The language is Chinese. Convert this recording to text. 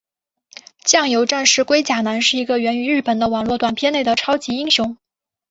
酱油战士龟甲男是一个源于日本的网络短片内的超级英雄。